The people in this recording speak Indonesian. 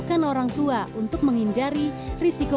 nah storagenya juga pilih siapa